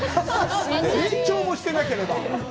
成長もしてなければ。